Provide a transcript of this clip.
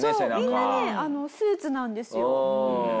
そうみんなねスーツなんですよ。